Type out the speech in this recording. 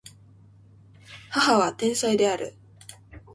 母は天才である